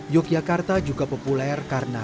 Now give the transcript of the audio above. yogyakarta juga populer karena